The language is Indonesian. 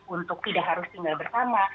untuk tidak harus tinggal bersama